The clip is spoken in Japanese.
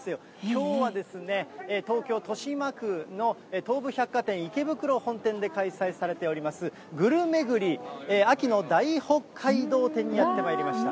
きょうは東京・豊島区の東武百貨店池袋本店で開催されております、ぐるめぐり秋の大北海道展にやってまいりました。